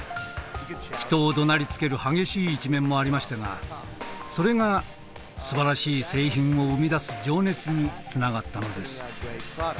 人をどなりつける激しい一面もありましたがそれがすばらしい製品を生み出す情熱につながったのです。